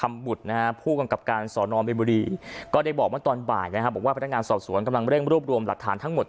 ไม่ต้องห่วงหลอกก็บอกหลานแล้วไม่ต้องห่วงหรอกยังไง